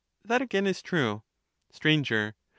That again is true. Str.